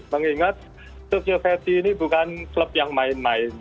mengingat tokyo verti ini bukan klub yang main main